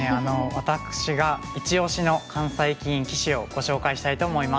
私がイチオシの関西棋院棋士をご紹介したいと思います。